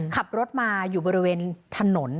ขับรถมาอยู่บริเวณถนน